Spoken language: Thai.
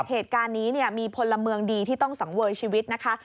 เหตุการณ์นี้เนี่ยมีพลเมืองดีที่ต้องสังเวยชีวิตนะคะ